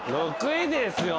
６位ですよ。